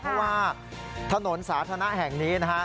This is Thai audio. เพราะว่าถนนสาธารณะแห่งนี้นะฮะ